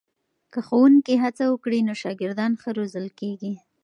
که ښوونکي هڅه وکړي نو شاګردان ښه روزل کېږي.